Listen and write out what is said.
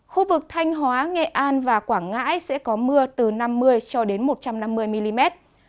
khu vực thanh hóa nghệ an và quảng ngãi sẽ có mưa từ năm mươi cho đến một trăm năm mươi mm